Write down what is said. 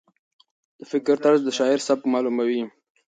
د فکر طرز د شاعر سبک معلوموي.